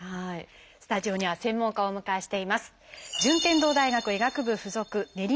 スタジオには専門家をお迎えしています。